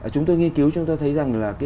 chúng tôi nghiên cứu chúng tôi thấy rằng